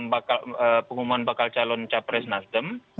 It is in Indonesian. dan pengumuman bakal calon capres nasdem